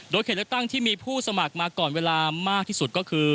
เขตเลือกตั้งที่มีผู้สมัครมาก่อนเวลามากที่สุดก็คือ